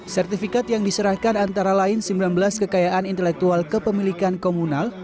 sertifikat yang diserahkan antara lain sembilan belas kekayaan intelektual kepemilikan komunal